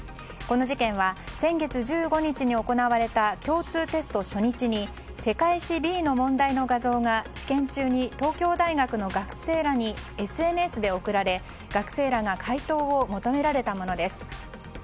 この事件は先月１５日に行われた共通テスト初日に世界史Ｂの問題の画像が試験中に東京大学の学生らにＳＮＳで送られ学生らが解答を求められたものです。